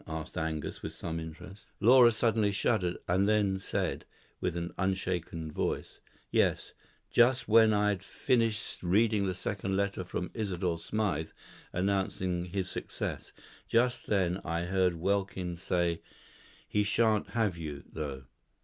asked Angus, with some interest. Laura suddenly shuddered, and then said, with an unshaken voice, "Yes. Just when I had finished reading the second letter from Isidore Smythe announcing his success. Just then, I heard Welkin say, 'He shan't have you, though.